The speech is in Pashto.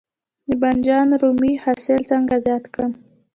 د بانجان رومي حاصل څنګه زیات کړم؟